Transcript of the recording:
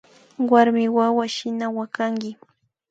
Warmiwawa shina wakanki